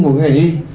của cái ngày nhi